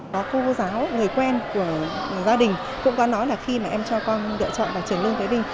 cô giáo người quen của gia đình cũng có nói là khi em cho con lựa chọn vào trường lương thế vinh